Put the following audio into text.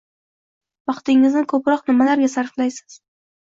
– Vaqtingizni ko‘proq nimalarga sarflaysiz?